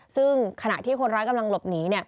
ซึ่งขณะที่คนร้ายกำลังหลบหนี